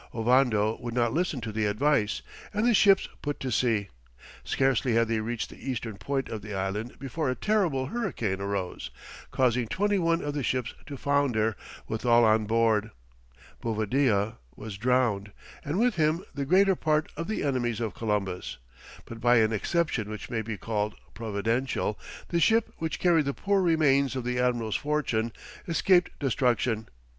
Ovando would not listen to the advice, and the ships put to sea; scarcely had they reached the eastern point of the island before a terrible hurricane arose, causing twenty one of the ships to founder with all on board. Bovadilla was drowned, and with him the greater part of the enemies of Columbus, but by an exception which may be called providential, the ship which carried the poor remains of the admiral's fortune, escaped destruction.